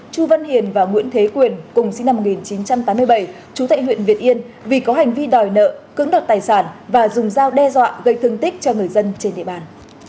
chu văn hiền và nguyễn thế quyền cùng sinh năm một nghìn chín trăm tám mươi bảy chú tệ huyện việt yên vì có hành vi đòi nợ cưỡng đoạt tài sản và dùng dao đe dọa gây thương tích cho người dân trên địa bàn